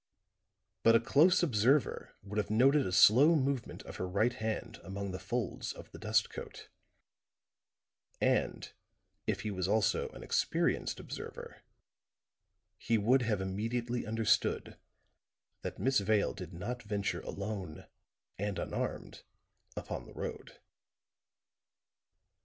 But a close observer would have noted a slow movement of her right hand among the folds of the dust coat; and if he was also an experienced observer he would have immediately understood that Miss Vale did not venture alone and unarmed upon the road.